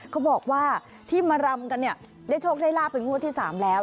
เขาบอกว่าที่มารำกันเนี่ยได้โชคได้ลาบเป็นงวดที่๓แล้ว